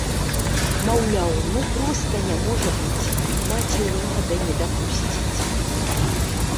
Маўляў, ну проста не можа быць, маці-ўлада не дапусціць!